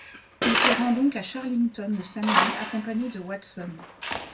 Il se rend donc à Charlington le samedi, accompagné de Watson.